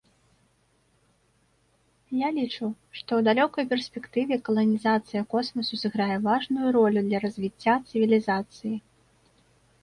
Я лічу, што ў далёкай перспектыве каланізацыя космасу сыграе важную ролю для развіцця цывілізацыі.